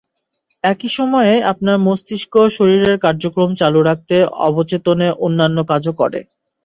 একই সময়ে আপনার মস্তিষ্ক শরীরের কার্যক্রম চালু রাখতে অবচেতনে অন্যান্য কাজও করে।